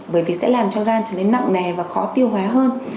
bởi vì sẽ làm cho gan trở nên nặng nề và khó tiêu hóa hơn